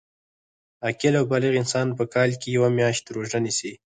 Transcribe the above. عاقل او بالغ انسان په کال کي یوه میاشت روژه نیسي